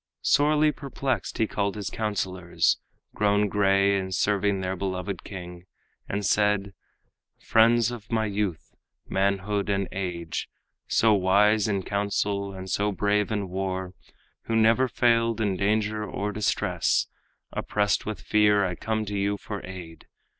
Sorely perplexed he called his counselors, Grown gray in serving their beloved king, And said: "Friends of my youth, manhood and age, So wise in counsel and so brave in war, Who never failed in danger or distress, Oppressed with fear, I come to you for aid.